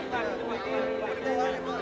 bersih merakyat kerja